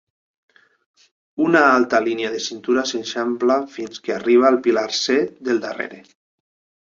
Una alta línia de cintura s'eixampla fins que arriba al pilar C del darrere.